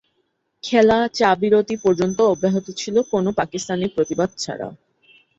খেলা, চা বিরতি পর্যন্ত অব্যাহত ছিলো কোনো পাকিস্তানি প্রতিবাদ ছাড়া।